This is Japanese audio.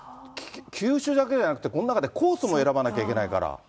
球種だけじゃなくて、この中でコースも選ばなきゃいけないから。